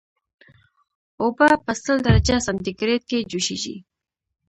اوبه په سل درجه سانتي ګریډ کې جوشیږي